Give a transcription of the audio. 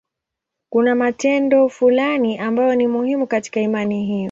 Kuna matendo fulani ambayo ni muhimu katika imani hiyo.